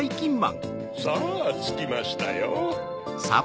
さぁつきましたよ。